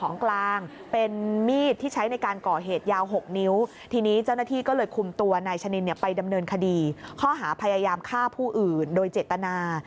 นายชะนินไปดำเนินคดีข้อหาพยายามฆ่าผู้อื่นโดยเจตนา